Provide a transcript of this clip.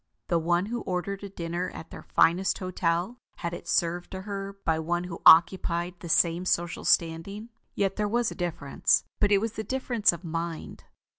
The one who ordered a dinner at their finest hotel, had it served to her by one who occupied the same social standing. Yet there was a difference; but it was the difference of mind.